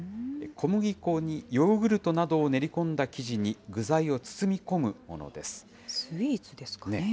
小麦粉にヨーグルトなどを練り込んだ生地に具材を包み込むものでスイーツですかね。